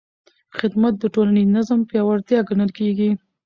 خدمت د ټولنیز نظم پیاوړتیا ګڼل کېږي.